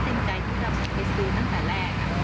ตัวจังจะต้องก็เสียตามค่าบริการ